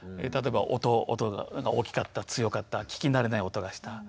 例えば音が大きかった強かった聞き慣れない音がした。